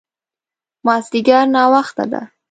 مازديګر ناوخته ده